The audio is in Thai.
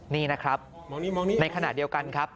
นี่นะครับในขณะเดียวกันครับ